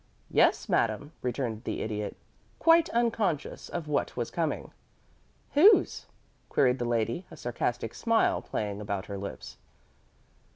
"Yes, madame," returned the Idiot, quite unconscious of what was coming. "Whose?" queried the lady, a sarcastic smile playing about her lips.